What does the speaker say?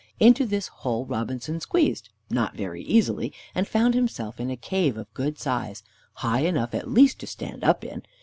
Into this hole Robinson squeezed, not very easily, and found himself in a cave of good size, high enough, at least, to stand up in.